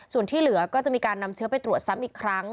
ส่วนที่เหลือก็จะมีการนำเชื้อไปตรวจซ้ำอีกครั้ง